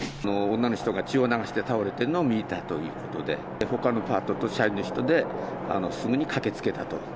女の人が血を流して倒れているのを見たということで、ほかのパートと社員の人で、すぐに駆けつけたと。